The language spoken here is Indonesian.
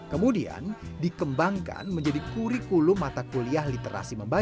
kemudian dikembangkan menjadi kurikulum mata kuliah literasi membaca